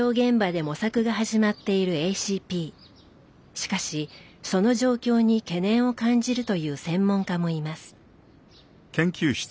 しかしその状況に懸念を感じるという専門家もいます。